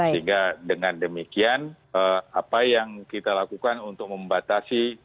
sehingga dengan demikian apa yang kita lakukan untuk membatasi